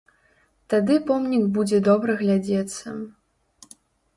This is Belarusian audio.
Тады помнік будзе добра глядзецца.